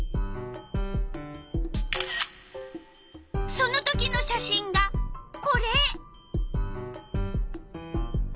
そのときの写真がこれ！